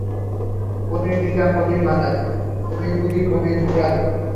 পনির টিকা, পনির মালাই, পনির পুরি, পনির কড়াই।